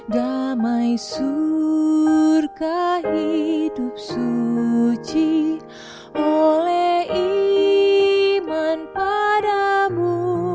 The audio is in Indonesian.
damai surkah hidup suci oleh iman padamu